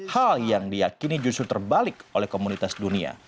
hal yang diakini justru terbalik oleh komunitas dunia